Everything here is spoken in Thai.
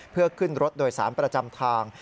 เพื่อขึ้นรถโดยสารประจำทาง